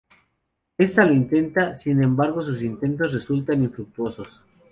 Esta lo intenta, sin embargo, sus intentos resultan infructuosos.